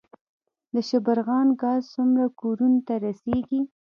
د شبرغان ګاز څومره کورونو ته رسیږي؟